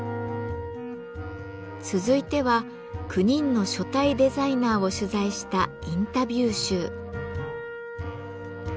続いては９人の書体デザイナーを取材したインタビュー集。